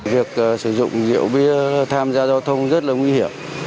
việc sử dụng rượu bia tham gia giao thông rất là nguy hiểm